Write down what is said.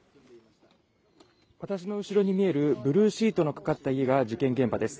私の後ろに見えるブルーシートのかかった家が事件現場です